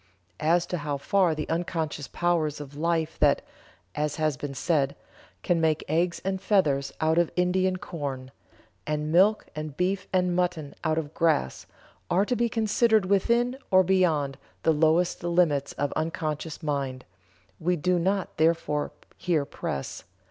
As to how far the unconscious powers of life that, as has been said, can make eggs and feathers out of Indian corn, and milk and beef and mutton out of grass, are to be considered within or beyond the lowest limits of unconscious mind, we do not therefore here press.